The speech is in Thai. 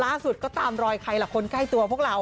ล่าสุดก็ตามรอยใครล่ะคนใกล้ตัวพวกเรา